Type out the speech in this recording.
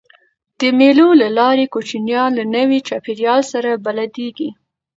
د مېلو له لاري کوچنيان له نوي چاپېریال سره بلديږي.